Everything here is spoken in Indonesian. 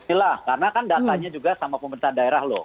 silahkan karena kan datanya juga sama pemerintah daerah loh